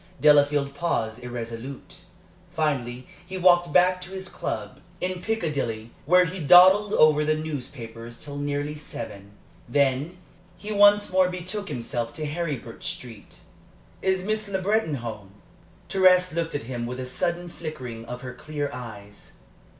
Delafield paused irresolute. Finally he walked back to his club in Piccadilly, where he dawdled over the newspapers till nearly seven. Then he once more betook himself to Heribert Street. "Is Miss Le Breton at home?" Thérèse looked at him with a sudden flickering of her clear eyes.